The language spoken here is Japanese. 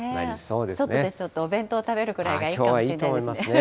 外でちょっとお弁当食べるくらいがいいかもしれないですね。